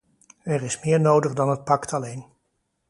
Er is meer nodig dan het pact alleen.